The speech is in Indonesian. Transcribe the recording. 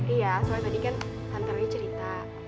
iya soalnya tadi kan tante rani cerita